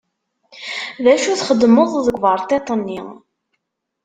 D acu txeddmeḍ deg uberṭiṭ-nni?